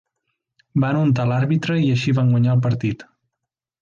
Van untar l'àrbitre i així van guanyar el partit.